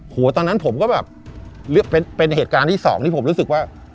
ตอนนั้นผมก็แบบเป็นเหตุการณ์ที่สองที่ผมรู้สึกว่า